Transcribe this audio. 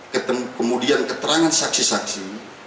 kemudian keterangan saksi saksi